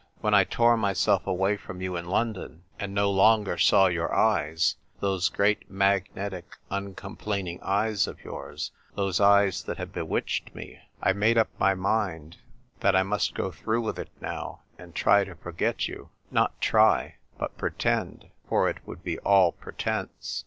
When I tore myself away from you in London and no longer saw your eyes — those great magnetic uncom plaining eyes of yours, those eyes that have bewitched me — I made up my mind that I 2 JO TIIK TYPK WKITKK GfK!.. must go through with it now, and try to I'or get you. Not try, but pretend ; for it would be all pretence.